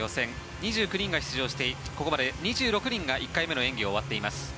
２９人が出場していてここまで２６人が１回目の演技を終わっています。